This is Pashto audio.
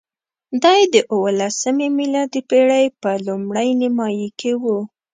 دی د اوولسمې میلادي پېړۍ په لومړۍ نیمایي کې وو.